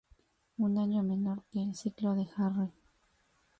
Un año menor que el ciclo de Harry.